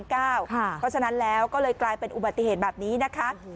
เพราะฉะนั้นแล้วก็เลยกลายเป็นอุบัติเหตุแบบนี้นะคะ